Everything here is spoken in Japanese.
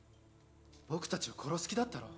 僕達を殺す気だったろ？